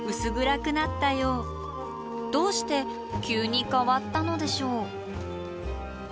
どうして急に変わったのでしょう？